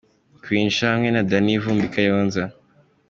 Queen Cha hamwe na Danny Vumbi i Kayonza.